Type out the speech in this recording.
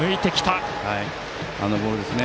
あのボールですね。